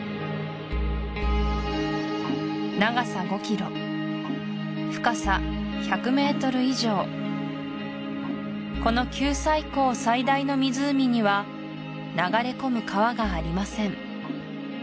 長さ５キロ深さ１００ｍ以上この九寨溝最大の湖には流れ込む川がありません